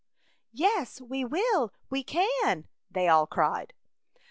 " Yes, we will, we can," they all cried.